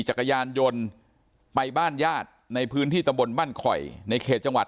จักรยานยนต์ไปบ้านญาติในพื้นที่ตำบลบ้านคอยในเขตจังหวัด